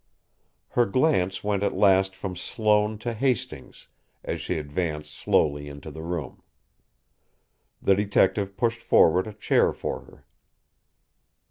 Her glance went at last from Sloane to Hastings as she advanced slowly into the room. The detective pushed forward a chair for her.